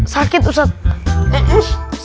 sakitnya tuh dimana